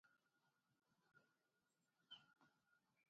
N'ozi ekele ya na mmemme ahụ